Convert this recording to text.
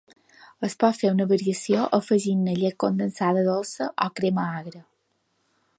Es pot fer una variació afegint-ne llet condensada dolça o crema agra.